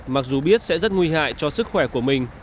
mặc dù biết sẽ rất nguy hại cho sức khỏe của mình